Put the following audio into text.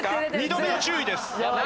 ２度目の注意です。